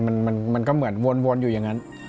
มันยังงดงามเหมือนใดในทาง